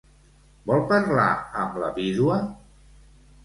Vol parlar amb la vídua?